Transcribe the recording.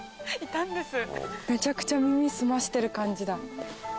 めちゃくちゃ耳澄ましてる感じだ。